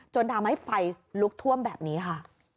จนทำให้ไฟลุกท่วมแบบนี้ค่ะ